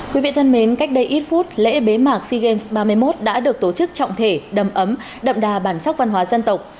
quý vị thân mến cách đây ít phút lễ bế mạc sea games ba mươi một đã được tổ chức trọng thể đầm ấm đậm đà bản sắc văn hóa dân tộc